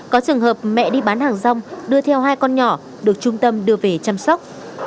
có trường hợp mẹ đi bán hàng rong đưa theo hai con nhỏ được trung tâm đưa về chăm sóc